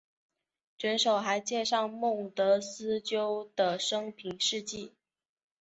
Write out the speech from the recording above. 卷首还介绍孟德斯鸠的生平事迹。